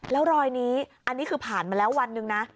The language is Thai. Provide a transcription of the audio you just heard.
แล้วรอยนี้อันนี้คือผ่านมาแล้ววันหนึ่งนะ